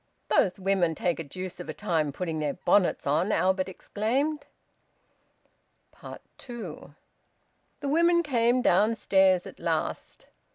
"Those women take a deuce of a time putting their bonnets on!" Albert exclaimed. TWO. The women came downstairs at last.